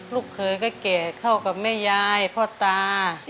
ลูกเคยก็แก่เท่ากับแม่ยายพ่อตา